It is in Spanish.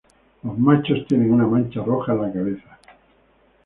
Los machos tienen una mancha roja en la cabeza.